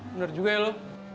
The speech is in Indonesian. bener juga ya lu